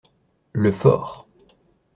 Le fort.